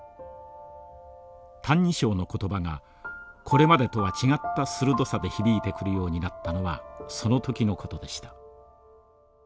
「歎異抄」の言葉がこれまでとは違った鋭さで響いてくるようになったのはそのときのことでした。